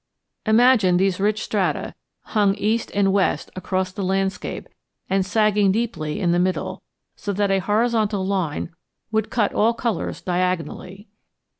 Imagine these rich strata hung east and west across the landscape and sagging deeply in the middle, so that a horizontal line would cut all colors diagonally.